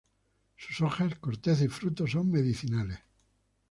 Sus hojas, corteza y frutos son medicinales.